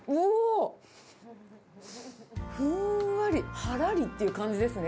ふんわり、はらりっていう感じですね。